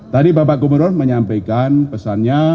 tadi bapak gubernur menyampaikan pesannya